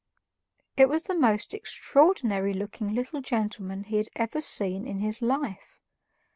It was the most extraordinary looking little gentleman he had ever seen in his life.